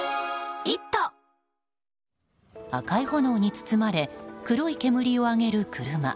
赤い炎に包まれ黒い煙を上げる車。